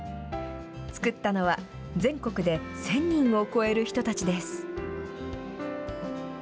つくったのは、全国で１０００人を超える人たちです。